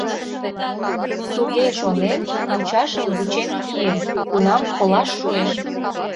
Туге шонен, мучашым вучен кием: кунам колаш шуэш.